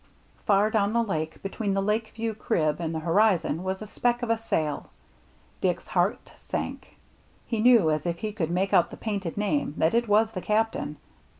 Far down the Lake, between the Lake View crib and the horizon, was a speck of a sail. Dick's heart sank — he knew as if he could make out the painted name that it was the Captain.